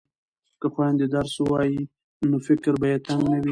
که خویندې درس ووایي نو فکر به یې تنګ نه وي.